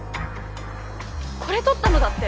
これ撮ったのだって